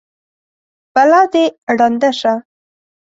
بلا دې ړنده شه!